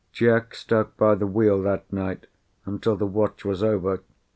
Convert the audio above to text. Jack stuck by the wheel that night until the watch was over.